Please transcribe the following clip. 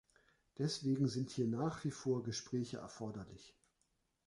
Deswegen sind hier nach wie vor Gespräche erforderlich.